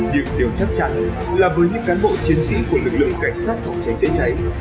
nhưng điều chắc chắn là với những cán bộ chiến sĩ của lực lượng cảnh sát phòng cháy chữa cháy